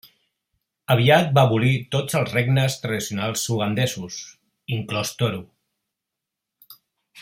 Aviat va abolir tots els regnes tradicionals ugandesos, inclòs Toro.